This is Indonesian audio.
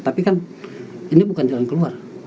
tapi kan ini bukan jalan keluar